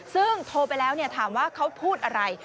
ซึ่งโทรไปแล้วถามว่าเขาพูดอะไร